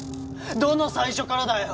どの最初からだよ！？